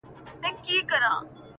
ځکه چي ماته يې زړگی ويلی,